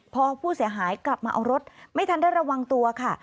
พอผู้เสียหายกลับมาเอารถไม่ทันได้ระวังตัวค่ะ